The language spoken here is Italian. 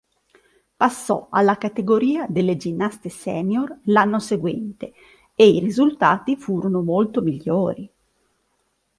Passò alla categoria delle ginnaste senior l'anno seguente e i risultati furono molto migliori.